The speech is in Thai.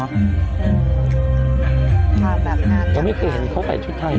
ก็ไม่เคยเห็นเขาไปชุดไทยหรอ